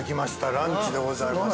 ランチでございます。